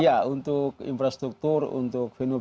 ya untuk infrastruktur untuk venue